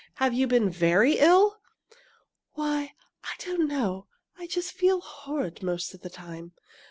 Have you been very ill?" "Why, I don't know I just feel horrid most of the time.